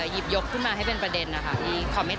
ทุกคนดูตื่นเต้นไหมคะมาก